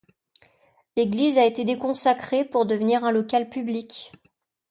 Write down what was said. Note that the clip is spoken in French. L'église a été déconsacrée pour devenir un local public.